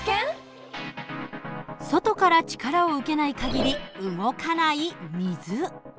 外から力を受けない限り動かない水。